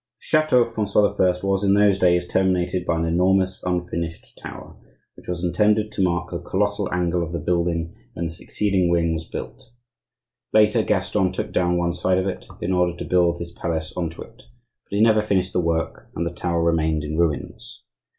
The chateau of Francois I. was, in those days, terminated by an enormous unfinished tower which was intended to mark the colossal angle of the building when the succeeding wing was built. Later, Gaston took down one side of it, in order to build his palace on to it; but he never finished the work, and the tower remained in ruins.